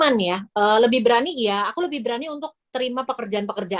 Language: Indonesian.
karena kan saat aku menerima pekerjaan pekerjaan itu aku lebih berani untuk menerima pekerjaan pekerjaan